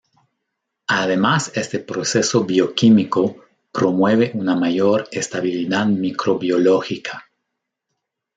Además este proceso bioquímico promueve una mayor estabilidad microbiológica.